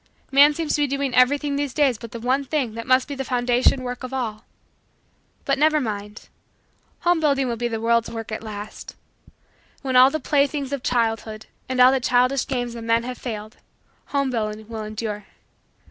Man seems to be doing everything these days but the one thing that must be the foundation work of all. But never mind homebuilding will be the world's work at the last. When all the playthings of childhood and all the childish games of men have failed, homebuilding will endure.